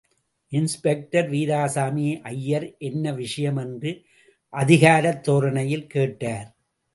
Inspector Veerasamy Iyer என்ன விஷயம் என்று அதிகாரத் தோரணையில் கேட்டார்.